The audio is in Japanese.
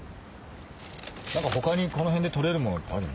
何か他にこの辺で取れるものってあるんですか？